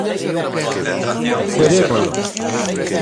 Verémolo.